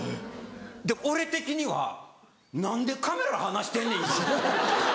俺的には何でカメラ離してんねん今！